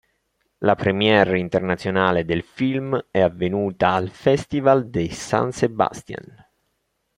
La première internazionale del film è avvenuta al Festival de San Sebastian.